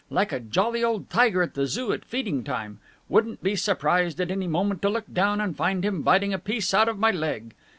Like a jolly old tiger at the Zoo at feeding time. Wouldn't be surprised at any moment to look down and find him biting a piece out of my leg!"